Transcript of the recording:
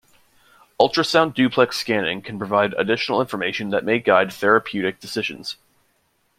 Ultrasound duplex scanning can provide additional information that may guide therapeutic decisions.